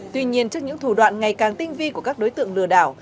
tuy nhiên trước những thủ đoạn ngày càng tinh vi của các đối tượng lừa đảo